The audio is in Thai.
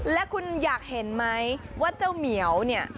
และคุณอยากเห็นไหมว่าเจ้าเหมียวเนี่ย